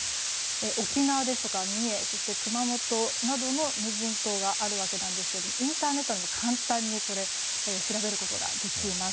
沖縄ですとか三重、そして熊本などの無人島があるわけなんですけどもインターネットで簡単に調べることができます。